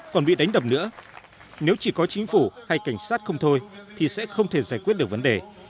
còn bị đánh đập nữa nếu chỉ có chính phủ hay cảnh sát không thôi thì sẽ không thể giải quyết được vấn đề